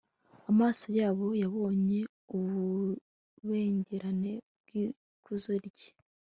amaso yabo yabonye ububengerane bw'ikuzo rye